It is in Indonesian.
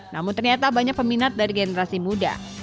namun ternyata banyak peminat dari generasi muda